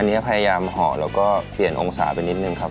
อันนี้พยายามห่อแล้วก็เปลี่ยนองศาไปนิดนึงครับ